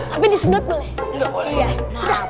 tapi disebut boleh